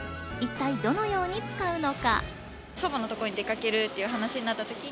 一体どのように使うのか？